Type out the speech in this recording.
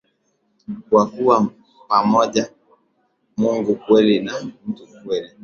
kuwa kwa pamoja Mungu kweli na mtu kweli